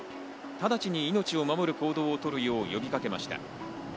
直ちに命を守る行動をとるよう呼びかけました。